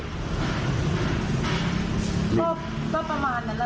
ก็ประมาณนั้นแหละ